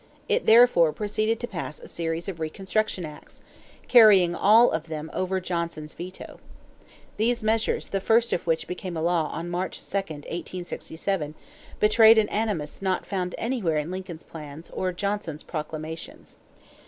It therefore proceeded to pass a series of reconstruction acts carrying all of them over Johnson's veto. These measures, the first of which became a law on March 2, 1867, betrayed an animus not found anywhere in Lincoln's plans or Johnson's proclamations.